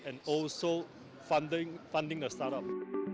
dan juga mendapatkan pendapatan dari startup